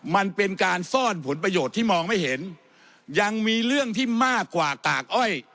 มันเป็นการซ่อนผลประโยชน์ที่มองไม่เห็นยังมีเรื่องที่มากกว่ากากอ้อย